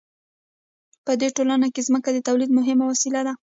په دې ټولنه کې ځمکه د تولید مهمه وسیله وه.